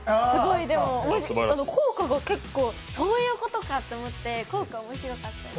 校歌が結構、そういうことかと思って、校歌面白かったです。